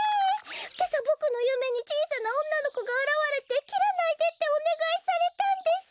けさボクのゆめにちいさなおんなのこがあらわれて「きらないで」っておねがいされたんです。